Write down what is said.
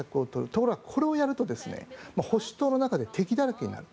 ところがこれをやると保守党の中で敵だらけになる。